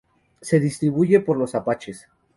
Se distribuyen por los Apalaches.